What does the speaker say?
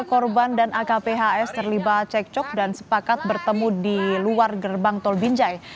korban bertemu di luar gerbang tol binjai